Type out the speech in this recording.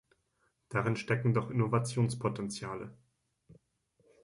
Darin stecken doch Innovationspotentiale.